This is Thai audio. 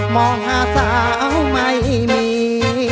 มองหาสาวไม่มี